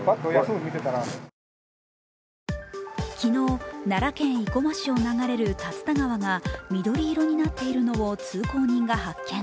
昨日、奈良県生駒市を流れる竜田川が緑色になっているのを通行人が発見。